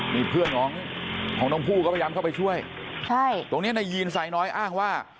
นี่เพื่อนของของน้องผู้ก็พยายามเข้าไปช่วยใช่ตรงเนี้ยนายยีนไซน้อยอ้างว่า